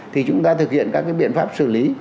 thì chúng ta thực hiện các biện pháp xử lý